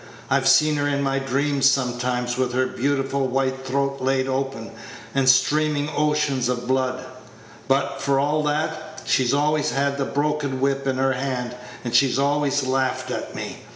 I've seen her in my dreams sometimes, with her beautiful white throat laid open, and streaming oceans of blood; but, for all that, she's always had the broken whip in her hand, and she's always laughed at me.